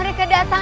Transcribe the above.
tidak ada apa apa